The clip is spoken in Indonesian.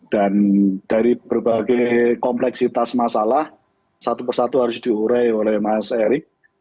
dan dari berbagai kompleksitas masalah satu persatu harus diurai oleh mas erick